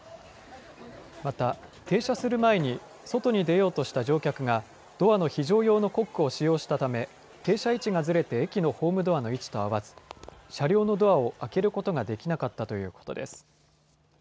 また停車する前に外に出ようとした乗客がドアの非常用のコックを使用したため停車位置がずれて駅のホームドアの位置と合わず車両のドアを開けることができなかったということです。